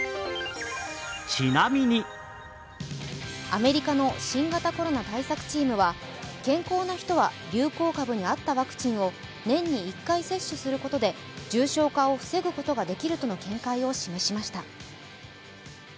アメリカの新型コロナ対策チームは健康な人は流行株に合ったワクチンを年に１回接種することで重症化を防ぐとの見解を示した。